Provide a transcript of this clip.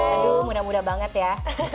aduh muda muda banget ya